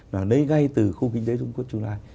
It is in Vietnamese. nó lấy gai từ khu kinh tế rung quất trung lai